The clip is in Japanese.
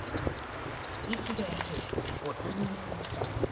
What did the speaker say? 医師である修容疑者。